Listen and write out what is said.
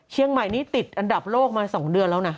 เชียงใหม่นี่ติดอันดับโลกมา๒เดือนแล้วนะ